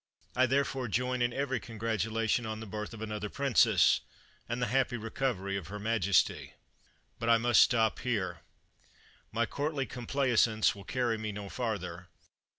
I therefore join in every congratulation on the birth of another princess, and the happy recovery of her majesty. But I must stop here. My courtly complai sance will carry me no farther.